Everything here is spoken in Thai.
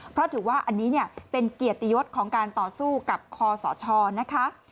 เพราะถือว่าอันนี้เนี่ยเป็นเกียรติยศของการต่อสู้กับคอสชนะคะ